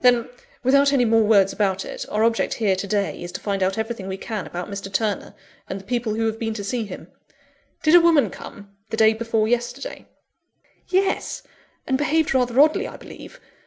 "Then, without any more words about it, our object here, to day, is to find out everything we can about Mr. Turner, and the people who have been to see him. Did a woman come, the day before yesterday?" "Yes; and behaved rather oddly, I believe.